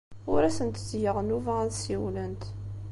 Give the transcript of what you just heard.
Ur asent-ttgeɣ nnuba ad ssiwlent.